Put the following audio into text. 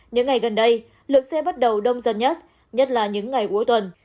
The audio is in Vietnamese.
những ngày gần đây lượng xe bắt đầu đông dân nhất nhất là những ngày cuối tuần